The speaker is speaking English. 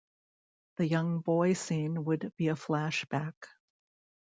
The young boy scene would be a flashback.